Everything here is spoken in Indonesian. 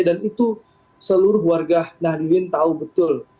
dan itu seluruh warga nahdlin tahu betul